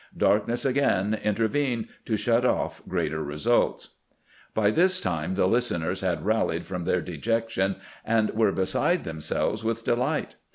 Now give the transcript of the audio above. Darkness again intervened to sbut off greater results. ...'" By this time the listeners had rallied from their dejection, and were beside themselves with delight.